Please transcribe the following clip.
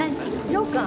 ようかん。